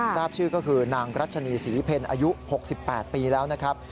ทราบชื่อก็คือนางรัชนีศรีเพลอายุ๖๘ปีแล้วนะครับ